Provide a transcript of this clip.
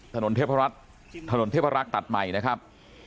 ถนนเทพรัฐถนนเทพรักษ์ตัดใหม่นะครับ